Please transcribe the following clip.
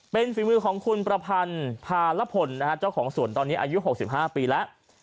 เป็นฝีมือของคุณประพันธ์พารพลนะฮะเจ้าของสวนตอนนี้อายุ๖๕ปีแล้ว